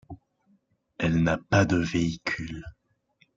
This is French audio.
Elle n’a pas de véhicule.